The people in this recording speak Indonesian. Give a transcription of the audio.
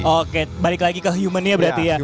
oke balik lagi ke humannya berarti ya